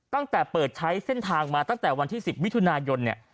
ตั้งแต่เปิดใช้เส้นทางมาตั้งแต่วันที่๑๐มิถุนายนเนี่ย